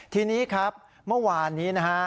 ทีนี้ครับเมื่อวานนี้นะฮะ